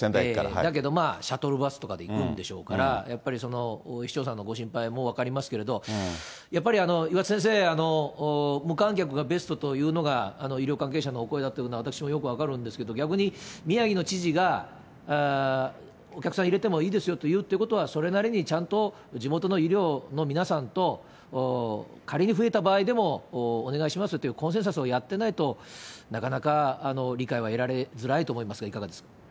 だけどまあ、シャトルバスとかで行くんでしょうから、やっぱりご市長さんのご心配も分かりますけれど、やっぱり岩田先生、無観客がベストというのが、医療関係者のお声だっていうのは、私もよく分かるんですけど、逆に、宮城の知事が、お客さん入れてもいいですよって言うっていうのは、それなりにちゃんと地元の医療の皆さんと、仮に増えた場合でも、お願いしますというコンセンサスをやってないと、なかなか理解は得られづらいと思いますが、いかがですか。